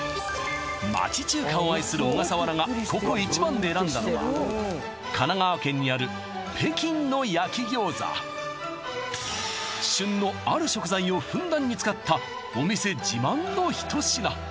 町中華を愛するオガサワラがここ一番で選んだのは神奈川県にある北京の焼き餃子旬のある食材をふんだんに使ったお店自慢の一品